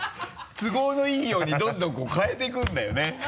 都合のいいようにどんどんこう変えていくんだよね。